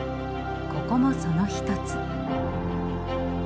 ここもその一つ。